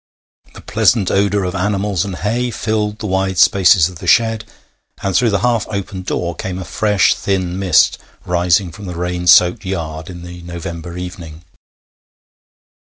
The pleasant odour of animals and hay filled the wide spaces of the shed, and through the half open door came a fresh thin mist rising from the rain soaked yard in the November evening.